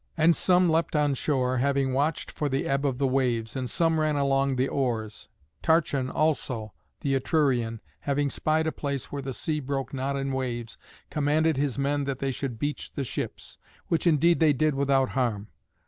And some leapt on shore, having watched for the ebb of the waves, and some ran along the oars. Tarchon also, the Etrurian, having spied a place where the sea broke not in waves, commanded his men that they should beach the ships. Which indeed they did without harm.